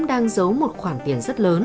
đang giấu một khoảng tiền rất lớn